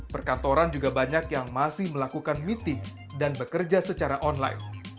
perkantoran juga banyak yang masih melakukan meeting dan bekerja secara online